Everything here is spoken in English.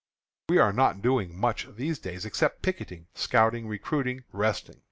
We are not doing much these days, except picketing, scouting, recruiting, resting.